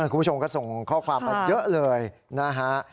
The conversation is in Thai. คุณผู้ชมก็ส่งข้อความมาเยอะเลยนะฮะ